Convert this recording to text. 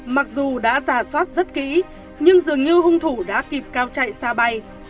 mặc dù đã rà soát rất kỹ nhưng dường như hôn thủ đã kịp cao chạy xa bay